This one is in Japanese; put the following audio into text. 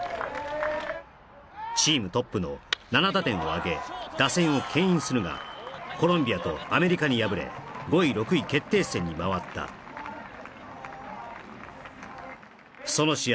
チームトップの７打点を挙げ打線を牽引するがコロンビアとアメリカに敗れ５位６位決定戦に回ったその試合